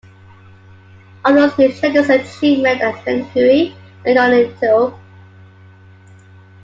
Others who share this achievement are Ann Hui and Johnnie To.